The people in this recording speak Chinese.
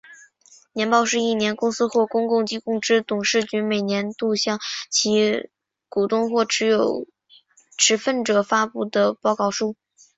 年报是一间公司或公共机构之董事局每年度向其股东或持份者发布的报告书。